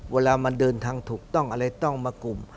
เวลามันเดินทางถูกต้องอะไรต้องมากลุ่ม